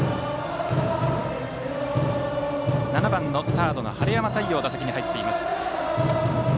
７番のサードの晴山太陽が打席に入っています。